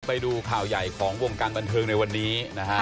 ไปดูข่าวใหญ่ของวงการบันเทิงในวันนี้นะฮะ